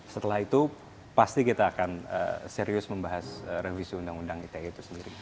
setelah itu pasti kita akan serius membahas revisi undang undang ite itu sendiri